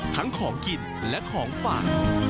ทั้งของกินและของฝ่า